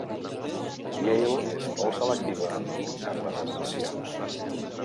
Yale és molt selectiva en les admissions.